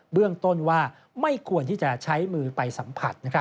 เบื้องต้นว่าไม่ควรที่จะใช้มือไปสัมผัส